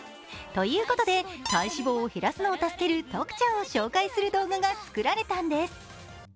ということで、体脂肪を減らすのを助ける特茶を紹介する動画が作られたんです。